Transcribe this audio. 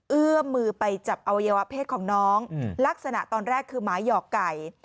เอื้อมมือไปจับอวัยวะเพศของน้องลักษณะตอนแรกคือหมายหอกไก่